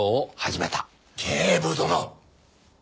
警部殿。